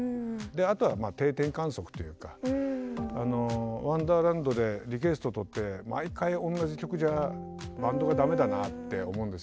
あとは定点観測というかワンダーランドでリクエストをとって毎回同じ曲じゃバンドがダメだなって思うんですよね。